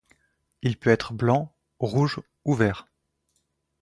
Il peut être blanc, rouge ou vert.